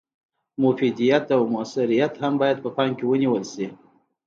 مفیدیت او مثمریت هم باید په پام کې ونیول شي.